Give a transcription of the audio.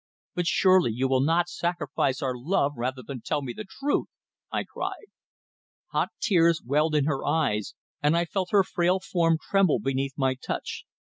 "But surely you will not sacrifice our love rather than tell me the truth!" I cried. Hot tears welled in her eyes, and I felt her frail form tremble beneath my touch.